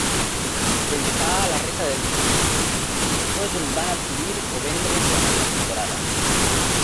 Pel que fa a la resta dels equips, tots el van adquirir o vendre durant una temporada.